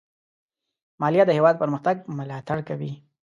مالیه د هېواد پرمختګ ملاتړ کوي.